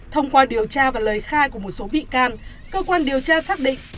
thông qua điều tra và lời khai của một số bị can cơ quan điều tra xác định